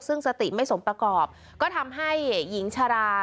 ซึ่งสติไม่สมประกอบก็ทำให้หญิงชรา